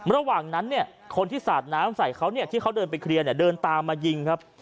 ระหว่างนั้นคนที่สาดน้ำใส่เขาที่เขาเดินไปเคลียร์เดินตามมายิงครับ